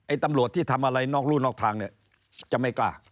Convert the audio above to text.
ตำรวจที่ทำอะไรนอกรู่นอกทางเนี่ยจะไม่กล้า